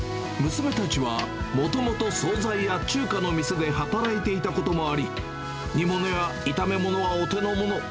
娘たちはもともと総菜や中華の店で働いていたこともあり、煮物や炒め物はお手の物。